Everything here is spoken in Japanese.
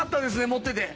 持ってて。